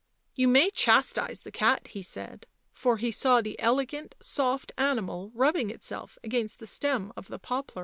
" You may chastise the cat," he said, for he saw Mie elegant soft animal rubbing itself against the stem of the poplar.